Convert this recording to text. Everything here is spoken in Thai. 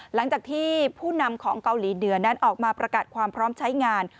หลังจากที่ผู้นำของเกาหลีเหนือนั้นออกมาประกาศความพร้อมใช้งาน